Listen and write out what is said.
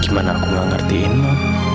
gimana aku gak ngertiin ma